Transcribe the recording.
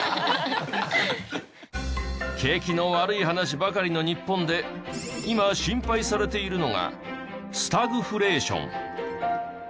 景気の悪い話ばかりの日本で今心配されているのがスタグフレーション。